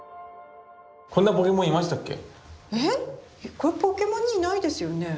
これポケモンにいないですよね？